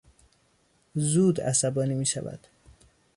زود عصبانی میشود.